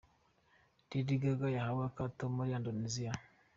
Lady Gaga yahawe akato muri Indoneziya.